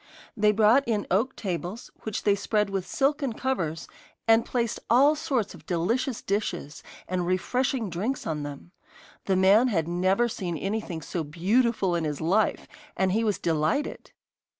They brought in oak tables, which they spread with silken covers, and placed all sorts of delicious dishes and refreshing drinks on them. The man had never seen anything so beautiful in his life, and he was delighted.